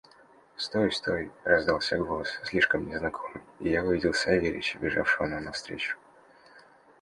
«Стой! стой!» – раздался голос, слишком мне знакомый, – и я увидел Савельича, бежавшего нам навстречу.